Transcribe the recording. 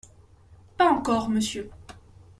Pas encore, monsieur.